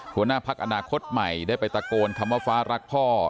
หัวหน้าพักอนาคตใหม่ได้ไปตะโกนคำว่าฟ้ารักพ่อ